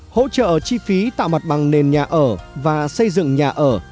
hỗ trợ chi phí tạo mặt bằng nền nhà ở và xây dựng nhà ở